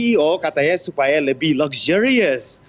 ketua ceo katanya supaya lebih luxurious